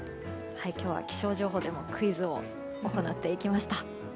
今日は気象情報のクイズを行っていきました。